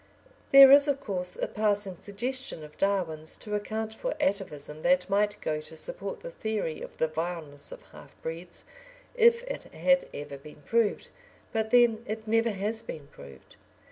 There is, of course, a passing suggestion of Darwin's to account for atavism that might go to support the theory of the vileness of half breeds, if it had ever been proved. But, then, it never has been proved.